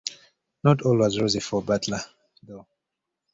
Not all was rosy for Butler, though.